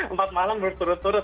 empat malam berturut turut